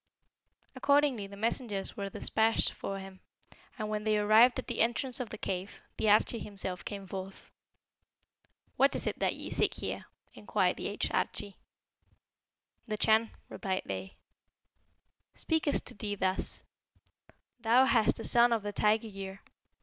"Accordingly the messengers were despatched for him, and when they arrived at the entrance of the cave, the Arschi himself came forth. 'What is it that ye seek here?' inquired the aged Arschi. 'The Chan,' replied they, 'speaketh to thee thus: Thou hast a Son of the Tiger year.